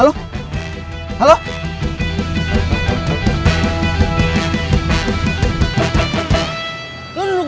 tapi kalo ternyata acil kenapa napa